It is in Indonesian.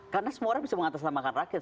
karena semua orang bisa mengatasnamakan rakyat